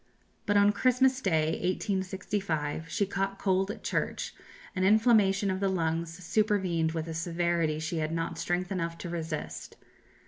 But on Christmas Day, 1865, she caught cold at church, and inflammation of the lungs supervened with a severity she had not strength enough to resist.